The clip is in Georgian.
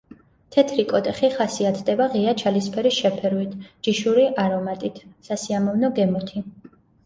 თეთრი „კოტეხი“ ხასიათდება ღია ჩალისფერი შეფერვით, ჯიშური არომატით, სასიამოვნო გემოთი.